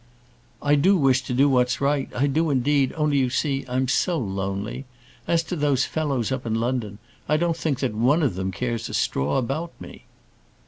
"I do wish to do what's right I do, indeed; only, you see, I'm so lonely. As to those fellows up in London, I don't think that one of them cares a straw about me."